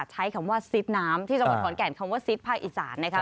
ใช้คำว่าซิดน้ำที่จังหวัดขอนแก่นคำว่าซิดภาคอีสานนะคะ